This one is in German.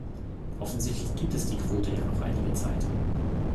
Offensichtlich gibt es die Quote ja noch einige Zeit.